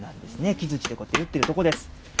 木づちでこうやって打っているところです。